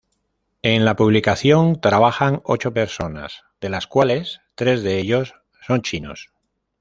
En la publicación trabajan ocho personas, de las cuales tres de ellos son chinos.